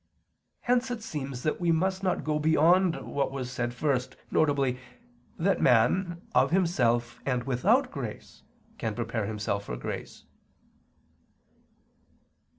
Hence it seems that we must not go beyond what was said first, viz. that man, of himself and without grace, can prepare himself for grace.